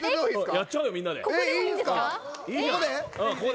やっちゃおうよ、みんなで。